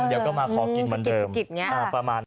แล้วก็มาขอกินเหมือนเดิมประมาณนี้